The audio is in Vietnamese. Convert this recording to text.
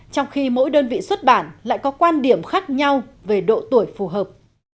trong khi mỗi đơn vị xuất bản lại có quan điểm khác nhau về độ tuổi phù hợp